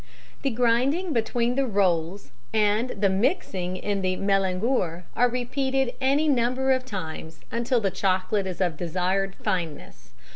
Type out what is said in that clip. The grinding between the rolls and the mixing in the mélangeur are repeated any number of times until the chocolate is of the desired fineness.